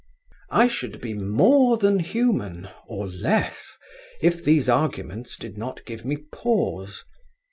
I should be more than human or less if these arguments did not give me pause.